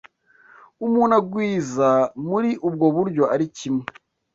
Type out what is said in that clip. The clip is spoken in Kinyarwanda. umuntu agwiza muri ubwo buryo ari kimwe